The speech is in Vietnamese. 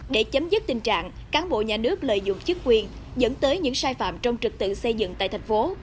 để chấm dứt tình trạng cán bộ nhà nước lợi dụng chức quyền dẫn tới những sai phạm trong trực tự xây dựng tại thành phố